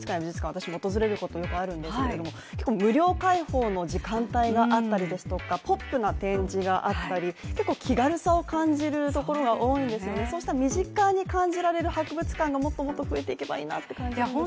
私も訪れることがよくあるんですけども結構無料開放の時間帯があったりですとかポップな展示があったり気軽さを感じるところが、多いんですよね、そうした身近に感じられる博物館がもっともっと増えたらなって思うんですけどね。